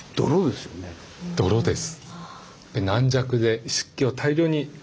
泥です。